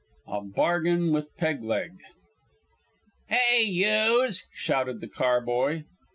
A BARGAIN WITH PEG LEG "Hey, youse!" shouted the car boy.